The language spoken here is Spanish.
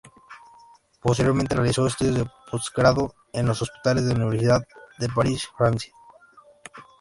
Posteriormente, realizó estudios de post-grado en los hospitales de la Universidad de Paris, Francia.